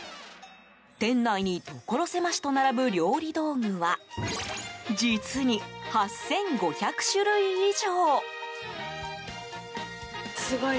店内に所狭しと並ぶ料理道具は実に８５００種類以上。